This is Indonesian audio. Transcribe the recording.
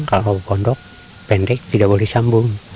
kalau pondok pendek tidak boleh sambung